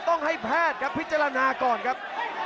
ต้องให้แพทย์ครับพิจารณาก่อนครับ